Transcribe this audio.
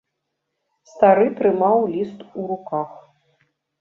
Стары трымаў ліст у руках.